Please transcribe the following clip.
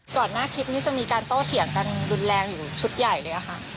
ก่อนหน้านี้จะมีการโต้เถียงกันรุนแรงอยู่ชุดใหญ่เลยค่ะ